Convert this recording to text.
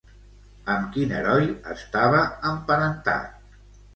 Amb quin heroi estava emparentat?